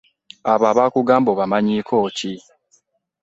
Abo abakugamba obamanyiiko ki?